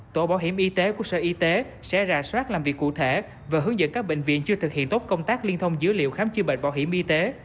tổ bảo hiểm y tế của sở y tế sẽ rà soát làm việc cụ thể và hướng dẫn các bệnh viện chưa thực hiện tốt công tác liên thông dữ liệu khám chữa bệnh bảo hiểm y tế